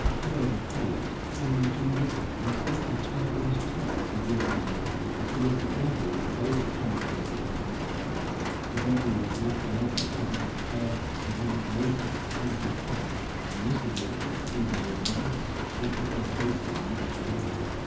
Herod and Pilate, Cain and Judas, and certain turbaned Turks and infidels as well as 155 M Y BOOK HOUSE the Devil were favorite characters of these mysteries. The Devil wore black leather covered with hair and had a grotesque painted head, and most of the actors either wore masks or had their faces much painted.